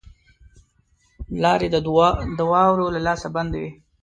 لاري د واورو له لاسه بندي وې.